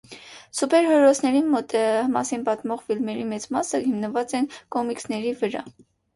Սուպերհերոսների մասին պատմող ֆիլմերի մեծ մասը հիմնված են կոմիքսների վրա։